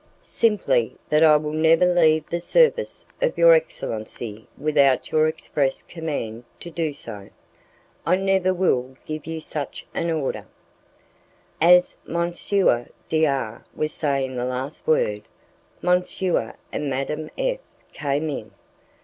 "Simply that I will never leave the service of your excellency without your express command to do so." "I never will give you such an order." As M. D R was saying the last word, M. and Madame F came in.